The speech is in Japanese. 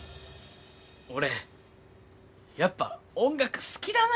俺やっぱ音楽好きだなあって。